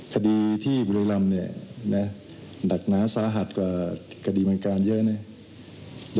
คดีที่บุริรัมณ์เนี่ยนะฮะดักหนาสาหัสกว่าคดีบังการเยอะนะฮะ